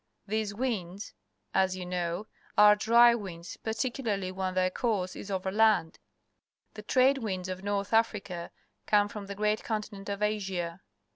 These winds, as you know, are dry winds, particularly when their course is over land. The trade winds of North Africa come from the great continent of Asia.